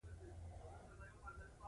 د باکتریاوو د ډول په تعین کې مرسته کوي.